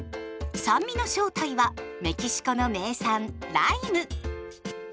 酸味の正体はメキシコの名産ライム。